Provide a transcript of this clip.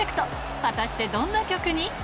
果たしてどんな曲に？